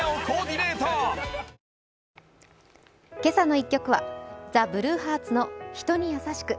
１曲」はＴＨＥＢＬＵＥＨＥＡＲＴＳの「人にやさしく」。